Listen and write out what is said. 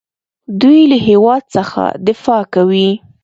دوی له هیواد څخه دفاع کوي.